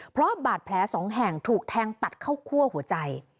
เพราะบาดแผลสองแห่งถูกแทงตัดเข้าคั่วหัวใจ